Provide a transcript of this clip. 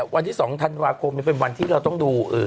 วันที่๒ธันวาคมเป็นวันที่เราต้องดู